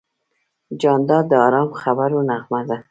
جانداد د ارام خبرو نغمه ده.